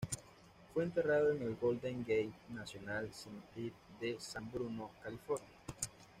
Fue enterrado en el Golden Gate National Cemetery de San Bruno, California.